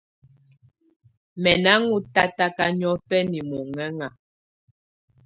Mɛ̀ nà ɔ́n tataka niɔ̀fɛna muhɛna.